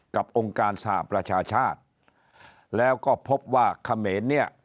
องค์การสหประชาชาติแล้วก็พบว่าเขมรเนี่ย